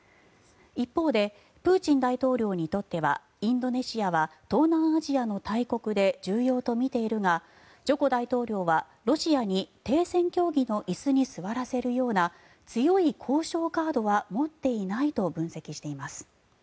一方でプーチン大統領にとってはインドネシアは東南アジアの大国で重要とみているがジョコ大統領はロシアに停戦協議の椅子に座らせるような強い交渉カードは持っていないと分析しています。